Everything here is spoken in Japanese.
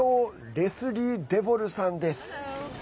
レスリー・デヴォルさんです。